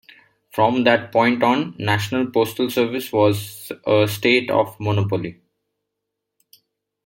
From that point on, national postal service was a state monopoly.